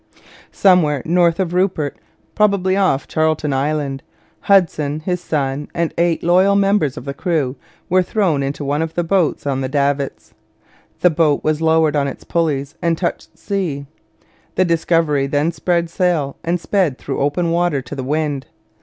Somewhere north of Rupert, probably off Charlton Island, Hudson, his son, and eight loyal members of the crew were thrown into one of the boats on the davits. The boat was lowered on its pulleys and touched sea. The Discovery then spread sail and sped through open water to the wind.